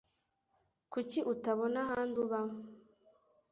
Kuki utabona ahandi uba?